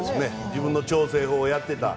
自分の調整法をやっていた。